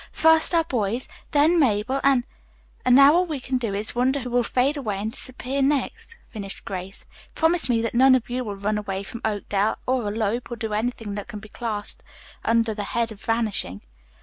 "First our boys, then Mabel, and " "And now all we can do is to wonder who will fade away and disappear next," finished Grace. "Promise me that none of you will run away from Oakdale, or elope, or do anything that can be classed under the head of vanishing."